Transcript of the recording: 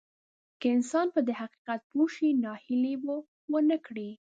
که انسان په دې حقيقت پوه شي ناهيلي به ونه کړي.